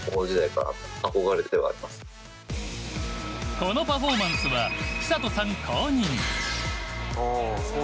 このパフォーマンスは寿人さん公認。